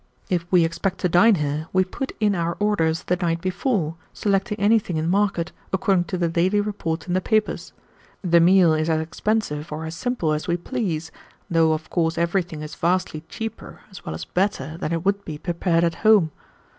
If we expect to dine here, we put in our orders the night before, selecting anything in market, according to the daily reports in the papers. The meal is as expensive or as simple as we please, though of course everything is vastly cheaper as well as better than it would be prepared at home.